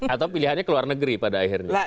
atau pilihannya ke luar negeri pada akhirnya